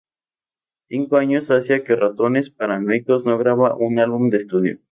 Cinco años hacia que Ratones Paranoicos no graba un álbum de estudio.